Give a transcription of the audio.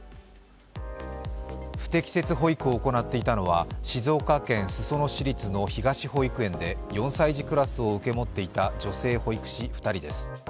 不適切保育を行っていたのは静岡県裾野市立の東保育園で４歳児クラスを受け持っていた女性保育士２人です。